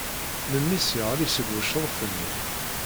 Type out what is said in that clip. Memmi-s yeɣli seg wecṛuf-nni.